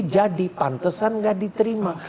jadi pantesan nggak diterima